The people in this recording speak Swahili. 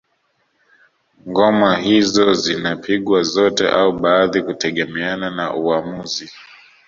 Ngoma hizo zinapigwa zote au baadhi kutegemeana na uamuzi